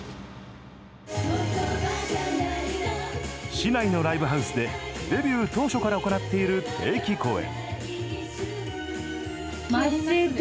市内のライブハウスでデビュー当初から行っている定期公演